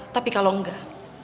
tapi kalau enggak